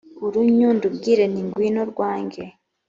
urunyo ndubwire nti ngwino rwange